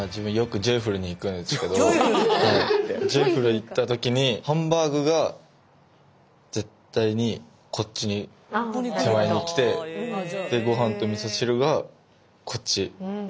行った時にハンバーグが絶対にこっちに手前に来てでご飯とみそ汁がこっち。